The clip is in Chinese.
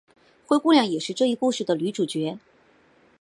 灰姑娘也是这一故事的女主角。